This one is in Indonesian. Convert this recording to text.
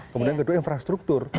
kemudian kedua infrastruktur